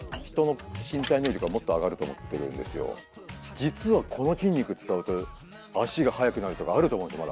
実はこの筋肉使うと足が速くなるとかあると思うんですよまだ。